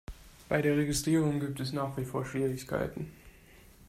Bei der Registrierung gibt es nach wie vor Schwierigkeiten.